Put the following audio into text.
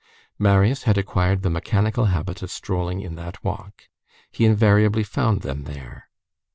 Marius had acquired the mechanical habit of strolling in that walk. He invariably found them there.